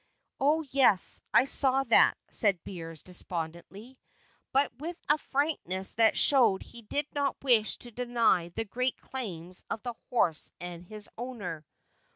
"Oh, yes, I saw that," said Beers, despondingly, but with a frankness that showed he did not wish to deny the great claims of the horse and his owner.